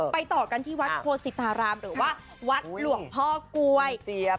ต่อกันที่วัดโคสิตารามหรือว่าวัดหลวงพ่อกล้วย